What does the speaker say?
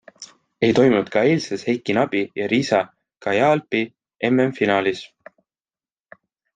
Ei toimunud ka eilses Heiki Nabi ja Riza Kayaalpi MM-finaalis.